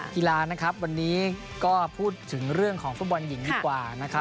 กีฬานะครับวันนี้ก็พูดถึงเรื่องของฟุตบอลหญิงดีกว่านะครับ